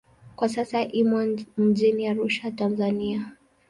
Kwa sasa imo mjini Arusha, Tanzania.